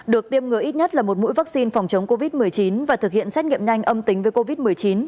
được tiêm ngừa ít nhất là một mũi vaccine phòng chống covid một mươi chín và thực hiện xét nghiệm nhanh âm tính với covid một mươi chín